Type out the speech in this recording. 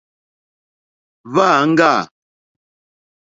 Hwá āŋɡâ.